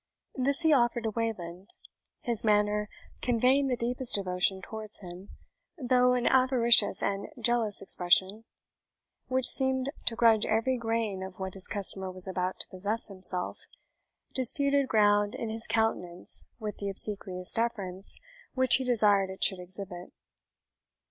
This he offered to Wayland, his manner conveying the deepest devotion towards him, though an avaricious and jealous expression, which seemed to grudge every grain of what his customer was about to possess himself, disputed ground in his countenance with the obsequious deference which he desired it should exhibit.